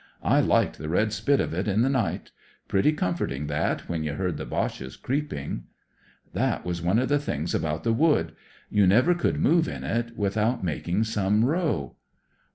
I liked the red spit of it m the night. Pretty comforting that when you heard the Boches creeping." " That was one of the things about the Wood; you never could move in it without making some row."